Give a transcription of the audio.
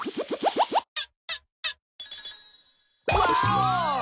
ワーオ！